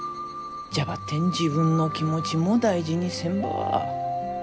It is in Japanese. じゃばってん自分の気持ちも大事にせんば。